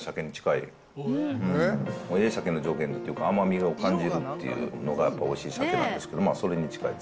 ええ鮭の条件というか、甘みを感じるっていうのが、やっぱおいしい鮭なんですけど、それに近い。